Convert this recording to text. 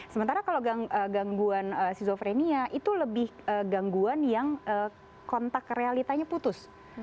sementara kalau gangguan skizofrenia itu lebih gangguan yang kontak realitanya putus